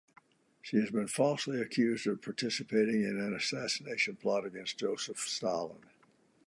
She had been falsely accused of participating in an assassination plot against Joseph Stalin.